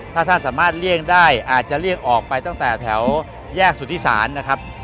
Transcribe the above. ถ้าท่านสามารถเลี่ยงได้อาจจะเลี่ยงออกไปตั้งแต่แถวแยกสุธิศาลนะครับ